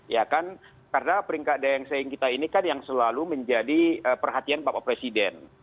ya kan karena peringkat daya saing kita ini kan yang selalu menjadi perhatian bapak presiden